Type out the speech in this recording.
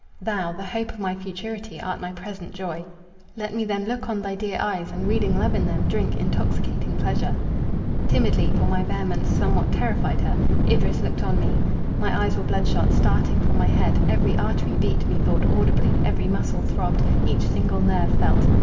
Thou, the hope of my futurity, art my present joy. Let me then look on thy dear eyes, and, reading love in them, drink intoxicating pleasure." Timidly, for my vehemence somewhat terrified her, Idris looked on me. My eyes were bloodshot, starting from my head; every artery beat, methought, audibly, every muscle throbbed, each single nerve felt.